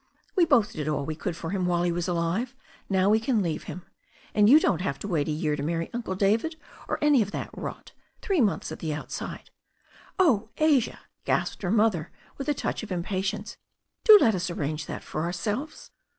We both did all we could for him while he was alive. Now we can leave him. And you don't have to wait a year to marry Uncle David, or any of that rot Three months at the outside :—" "Oh, Asia," gasped her mother with a touch of in^)a tience, "do let us arrange that for ourselves."